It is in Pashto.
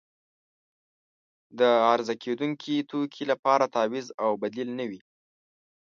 د عرضه کیدونکې توکي لپاره تعویض او بدیل نه وي.